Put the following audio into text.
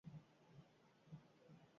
Herrialdeko bigarren ibai luzeena da.